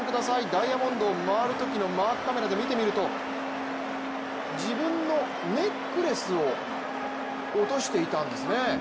ダイヤモンドを回るときのマークカメラで見てみると自分のネックレスを落としていたんですね。